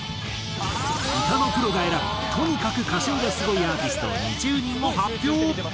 歌のプロが選ぶとにかく歌唱がスゴいアーティスト２０人を発表！